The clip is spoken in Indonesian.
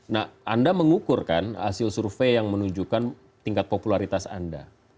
nah anda mengukur kan hasil survei yang menunjukkan tingkat popularitas anda